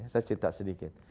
saya cerita sedikit